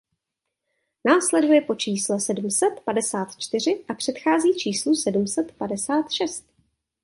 Následuje po čísle sedm set padesát čtyři a předchází číslu sedm set padesát šest.